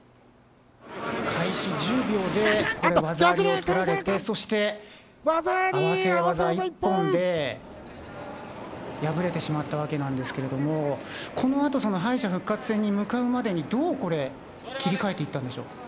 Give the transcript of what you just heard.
開始１０秒で技ありを取られて、そして、合わせ技一本で敗れてしまったわけなんですけれども、このあと、敗者復活戦に向かうまでに、どうこれ、切り替えていったんでしょ